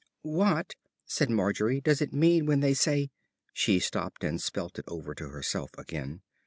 "What," said Margery, "does it mean when it says " she stopped and spelt it over to herself again.